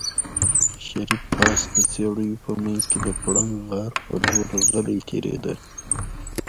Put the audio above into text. شريف پاس د څېړيو په منځ کې د پړانګ غار په لور غلی تېرېده.